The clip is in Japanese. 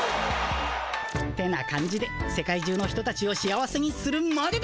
てな感じで世界じゅうの人たちを幸せにするまでだ。